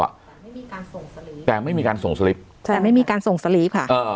แต่ไม่มีการส่งสลิปแต่ไม่มีการส่งสลิปใช่แต่ไม่มีการส่งสลิปค่ะอ่า